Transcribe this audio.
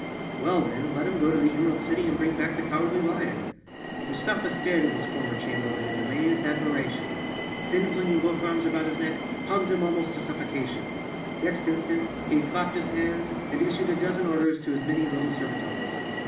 Well then, let him go to the Emerald City and bring back the Cow¬ ardly Lion!" 50 _ Chapter Four Mustafa stared at his former chamberlain in amazed admiration, then flinging both arms about his neck, hugged him almost to suffocation. Next instant he had clapped his hands and issued a dozen orders to as many little servitors.